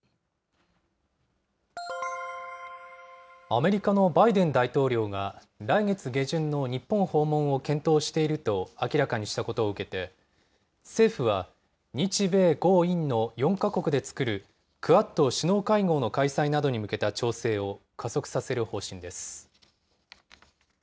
アメリカのバイデン大統領が、来月下旬の日本訪問を検討していると明らかにしたことを受けて、政府は、日米豪印の４か国で作るクアッド首脳会合の開催などに向けた調整を加速させる方針です。